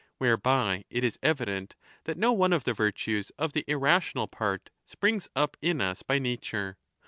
Whereby it is evident that no one of the virtues of the irrational part springs up in us by nature.